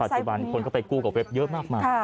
ปัจจุบันคนก็ไปกู้กับเว็บเยอะมาก